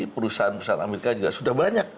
perusahaan perusahaan amerika juga sudah banyak